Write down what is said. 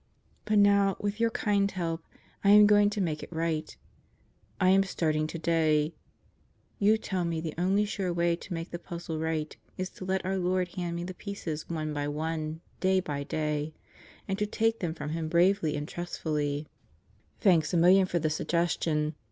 But now, with your kind help, I am going to make it right. I am starting today. You tell me the only sure way to make the puzzle right is to let our Lord hand me the pieces one by one, day by day; and to take them from Him bravely and trustfully. 135 136 God Goes to Murderer's Roto Thanks a million for the suggestion.